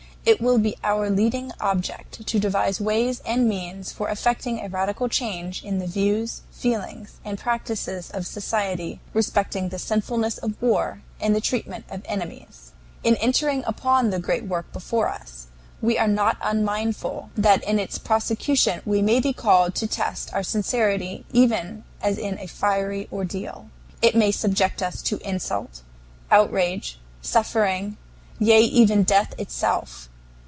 It will be our leading object to devise ways and means for effecting a radical change in the views, feelings, and practices of society respecting the sinfulness of war and the treatment of enemies. "In entering upon the great work before us, we are not unmindful that in its prosecution we may be called to test our sincerity even as in a fiery ordeal. It may subject us to insult, outrage, suffering, yea, even death itself.